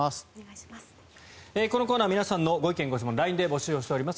このコーナー皆さんのご意見・ご質問をＬＩＮＥで募集しております。